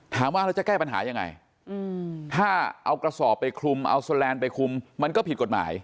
เราจะแก้ปัญหายังไงถ้าเอากระสอบไปคลุมเอาสแลนด์ไปคุมมันก็ผิดกฎหมาย